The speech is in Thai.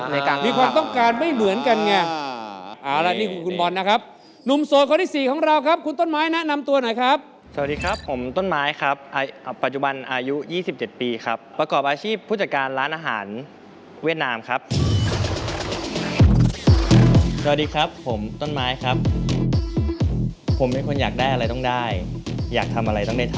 ในกลางความรักครับอ่า